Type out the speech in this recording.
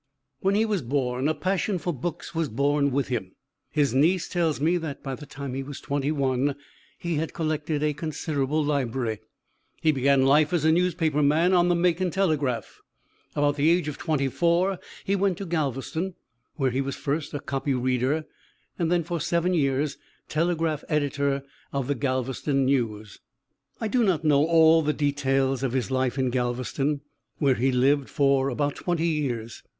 When he was born, a passion for books was born with him. His niece tells me that by the time he was twenty one he had collected a considerable library. He began life as a newspaper man, on the Macon Telegraph. About the age of twenty four he went to Galveston where he was first a copy reader, and then for seven years telegraph editor of the Galveston News. I do not know all the details of his life in Galveston, where he lived for about twenty years.